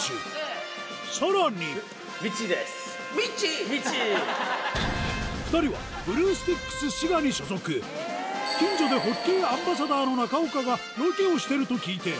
さらに２人はブルースティックス滋賀に所属近所でホッケーアンバサダーの中岡がロケをしてると聞いて